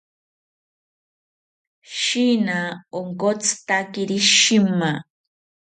Sheeni onkotzitakiri shima